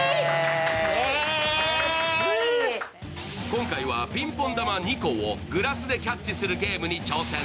今回はピンポン球２個をグラスでキャッチするチャレンジに挑戦。